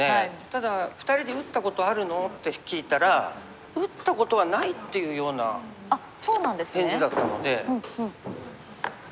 ただ２人に「打ったことあるの？」って聞いたら「打ったことはない」っていうような返事だったので。